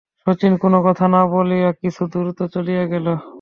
শচীশ কোনো কথা না বলিয়া কিছু দ্রুত চলিয়া গেল।